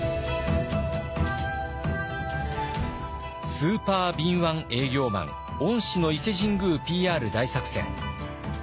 スーパー敏腕営業マン御師の伊勢神宮ＰＲ大作戦。